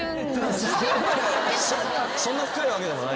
そんな深いわけでもない。